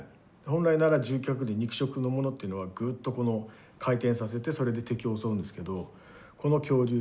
本来なら獣脚類肉食のものというのはグッとこの回転させてそれで敵を襲うんですけどこの恐竜